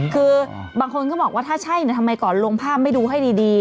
คือบางคนก็บอกว่าถ้าใช่ทำไมก่อนลงภาพไม่ดูให้ดี